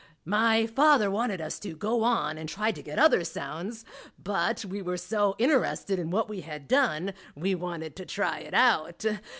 My father wanted us to go on and try to get other sounds, but we were so interested in what we had done we wanted to try it out.